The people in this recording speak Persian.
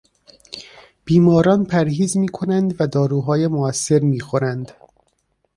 بیماران پرهیز میکنند و داروهای موثر میخورند.